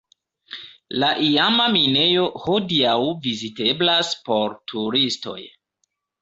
La iama minejo hodiaŭ viziteblas por turistoj.